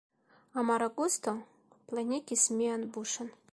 Amara gusto plenigis mian buŝon.